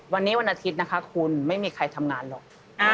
วันนี้วันอาทิตย์นะคะคุณไม่มีใครทำงานหรอก